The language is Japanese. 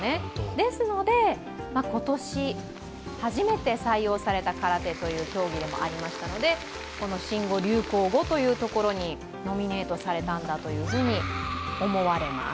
ですので、今年初めて採用された空手という競技でもありましたので、この新語・流行語というところにノミネートされたんだと思われます。